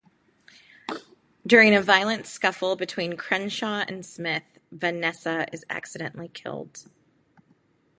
During a violent scuffle between Crenshaw and Smith, Vannesa is accidently killed.